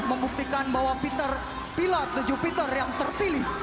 membuktikan bahwa pilot the jupiter yang terpilih